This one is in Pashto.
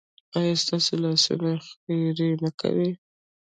ایا ستاسو لاسونه خیر نه کوي؟